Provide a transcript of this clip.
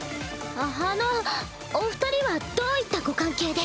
ああのお二人はどういったご関係で？